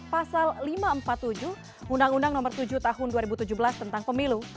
pasal lima ratus empat puluh tujuh undang undang nomor tujuh tahun dua ribu tujuh belas tentang pemilu